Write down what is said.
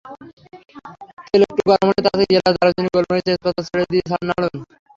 তেল একটু গরম হলে তাতে এলাচ, দারুচিনি, গোলমরিচ, তেজপাতা ছেড়ে দিয়ে নাড়ুন।